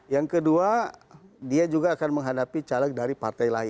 yang kedua dia juga akan menghadapi caleg dari partai lain